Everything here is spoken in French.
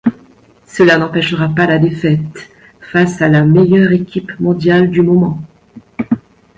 Cela n'empêchera pas la défaite face à la meilleure équipe mondiale du moment.